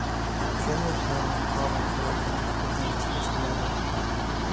General Colonel Pavel Kurochkin became its first commander.